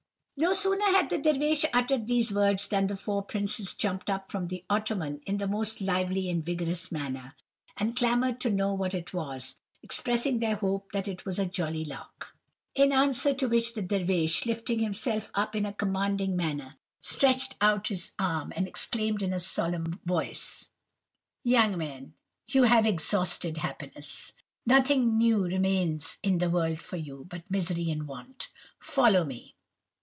"No sooner had the Dervish uttered these words, than the four princes jumped up from the ottoman in the most lively and vigorous manner, and clamoured to know what it was, expressing their hope that it was a 'jolly lark.' "In answer to which the Dervish, lifting himself up in a commanding manner, stretched out his arm, and exclaimed, in a solemn voice:— "'Young men, you have exhausted happiness. Nothing new remains in the world for you, but misery and want. Follow me!